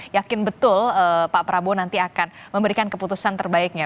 yakin betul pak prabowo nanti akan memberikan keputusan terbaiknya